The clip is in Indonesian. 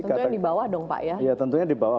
tentunya di bawah dong pak ya tentunya di bawah